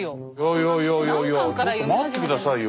いやいやいやちょっと待って下さいよ。